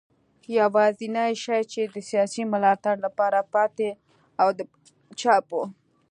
یوازینی شی چې د سیاسي ملاتړ لپاره پاتې و د پیسو چاپ و.